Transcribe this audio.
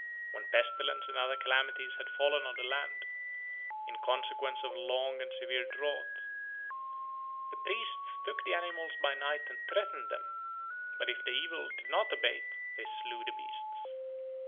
When pestilence and other calamities had fallen on the land, in consequence of a long and severe drought, the priests took the animals by night and threatened them, but if the evil did not abate they slew the beasts.